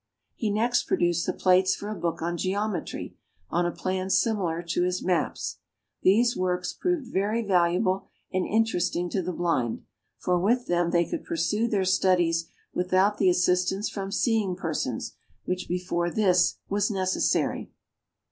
He next produced the plates for a book on geometry, on a plan similar to his maps. These works proved very valuable and interesting to the blind for with them they could pursue their studies without the assistance from seeing persons, which, before this, was necessary.